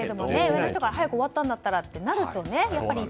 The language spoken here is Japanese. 上の人から終わったんだったらとなるとね。